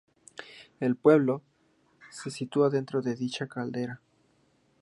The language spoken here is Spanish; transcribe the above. El pueblo, se sitúa dentro de dicha caldera.